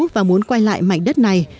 và muốn quay lại mảnh đất này